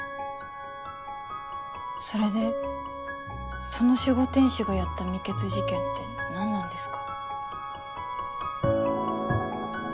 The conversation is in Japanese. それでその守護天使がやった未決事件って何なんですか？